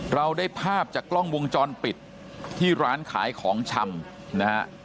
เราได้ภาพจากกล้องวงจรปิดที่ร้านขายของชำนะฮะ